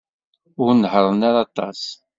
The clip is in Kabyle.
Ur nehhṛen ara aṭas.